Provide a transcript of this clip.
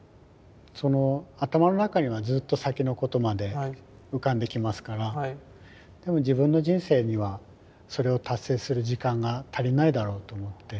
その頭の中にはずっと先のことまで浮かんできますからでも自分の人生にはそれを達成する時間が足りないだろうと思って。